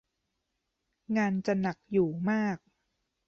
งานจะหนักอยู่มาก